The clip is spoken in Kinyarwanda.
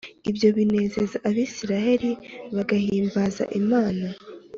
Ibyo binezeza Abisirayeli bahimbaza Imana